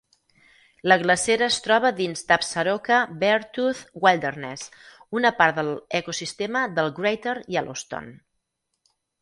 La glacera es troba dins d'Absaroka-Beartooth Wilderness, una part del ecosistema del Greater Yellowstone.